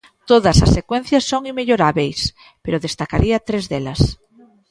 Todas as secuencias son inmellorábeis, pero destacaría tres delas.